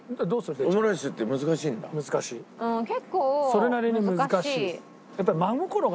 それなりに難しいです。